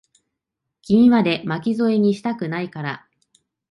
君まで、巻き添えにしたくないから。